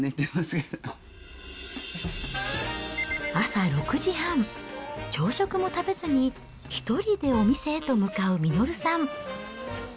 朝６時半、朝食も食べずに１人でお店へと向かう実さん。